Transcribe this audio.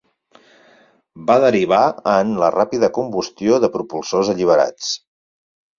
Va derivar en la ràpida combustió de propulsors alliberats.